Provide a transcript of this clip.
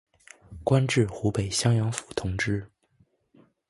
官至湖北襄阳府同知。